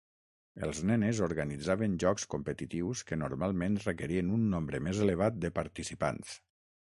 Els nenes organitzaven jocs competitius que normalment requerien un nombre més elevat de participants.